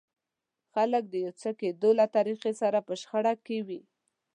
خلک د يو څه د کېدو له طريقې سره په شخړه کې وي.